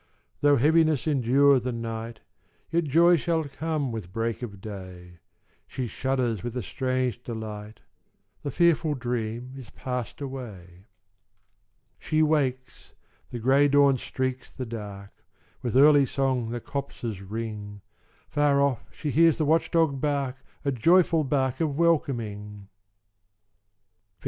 Though heaviness endure the night, Yet joy shall come with break of day: She shudders with a strange delight The fearful dream is pass'd away. She wakes: the grey dawn streaks the dark: With early song the copses ring: Far off she hears the watch dog bark A joyful bark of welcoming! _Feb.